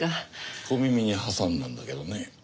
小耳に挟んだんだけどね